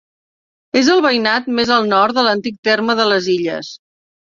És el veïnat més al nord de l'antic terme de les Illes.